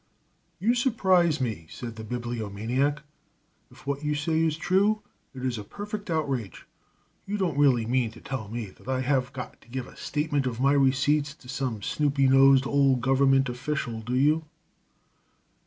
"You surprise me," said the Bibliomaniac. "If what you say is true, it is a perfect outrage. You don't really mean to tell me that I have got to give a statement of my receipts to some snoopy nosed old government official, do you?"